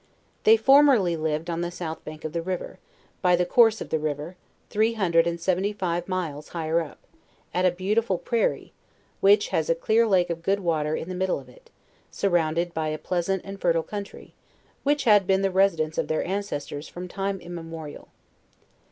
They formerly lived on 142 JOURNAL OF the south bank of the river, by the course of the river, three hundred and seventy five miles higher up, at a beautiful prai rie, which haa a clear lake of good water in the middle of it, i surrounded by a pleasant and fertile country, which had been the residence of their ancestors from time immemorial.